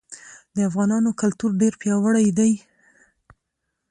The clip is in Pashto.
د افغانانو کلتور ډير پیاوړی دی.